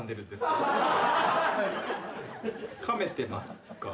かめてますか？